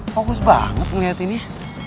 fokus banget ngeliatinnya